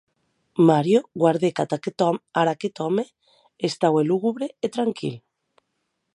Mario guardèc ad aqueth òme; estaue lugubre e tranquil.